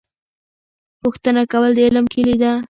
پوښتنه کول د علم کیلي ده.